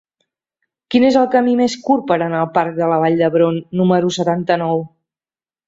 Quin és el camí més curt per anar al parc de la Vall d'Hebron número setanta-nou?